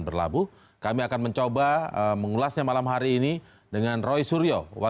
selamat malam mas indra